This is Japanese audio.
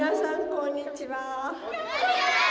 こんにちは！